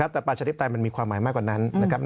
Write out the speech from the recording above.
แต่ประชาธิปไตยมันมีความหมายมากกว่านั้นนะครับ